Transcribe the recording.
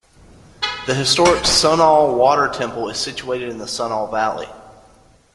The historic Sunol Water Temple is situated in the Sunol Valley.